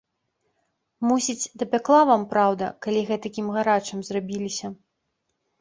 Мусіць, дапякла вам праўда, калі гэтакім гарачым зрабіліся.